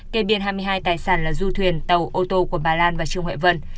kê biên hai mươi hai tài sản là du thuyền tàu ô tô của bà lan và trương huệ vân